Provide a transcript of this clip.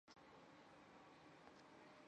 温达特语属于易洛魁语系。